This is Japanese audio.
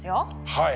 はい。